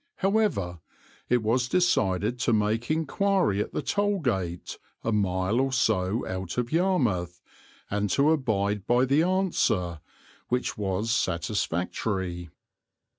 However, it was decided to make inquiry at the toll gate, a mile or so out of Yarmouth, and to abide by the answer, which was satisfactory.